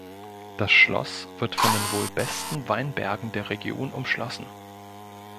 Das Schloss wird von den wohl besten Weinbergen der Region umschlossen.